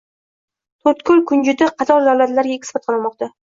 To‘rtko‘l kunjuti qator davlatlarga eksport qilinmoqda